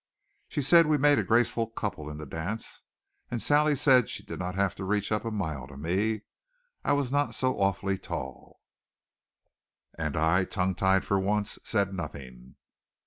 She said we made a graceful couple in the dance. And Sally said she did not have to reach up a mile to me I was not so awfully tall. And I, tongue tied for once, said nothing.